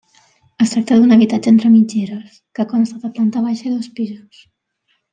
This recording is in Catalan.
Es tracta d'un habitatge entre mitgeres que consta de planta baixa i dos pisos.